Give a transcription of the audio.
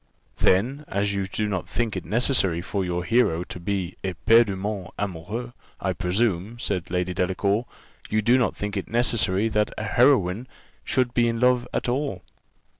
"Then, as you do not think it necessary for your hero to be éperdument amoureux, I presume," said Lady Delacour, "you do not think it necessary that a heroine should be in love at all.